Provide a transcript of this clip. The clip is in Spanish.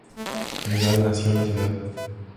General nació en la Cd.